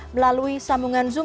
melalui sambungan zoom